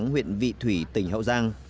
huyện vị thủy tỉnh hậu giang